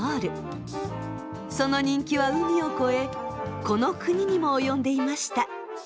その人気は海を越えこの国にも及んでいました。